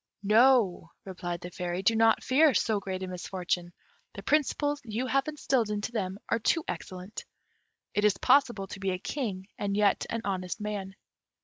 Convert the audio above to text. "No," replied the Fairy, "do not fear so great a misfortune; the principles you have instilled into them are too excellent. It is possible to be a king and yet an honest man.